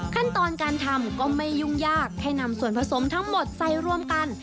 ขั้นตอนการทำก็ไม่ยุ่งยากแค่นำส่วนผสมทั้งหมดใส่รวมกัน